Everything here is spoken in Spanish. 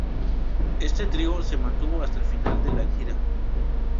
Este trío se mantuvo hasta el final de la gira.